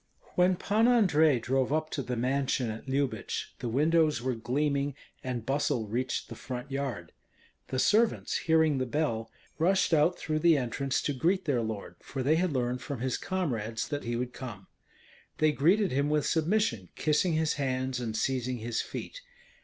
When Pan Andrei drove up to the mansion at Lyubich, the windows were gleaming, and bustle reached the front yard. The servants, hearing the bell, rushed out through the entrance to greet their lord, for they had learned from his comrades that he would come. They greeted him with submission, kissing his hands and seizing his feet.